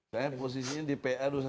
saya posisinya di pa dua ratus dua belas